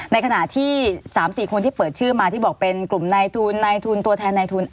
ในขณะที่๓๔คนที่เปิดชื่อมาที่บอกเป็นกลุ่มนายทุนในทุนตัวแทนในทุน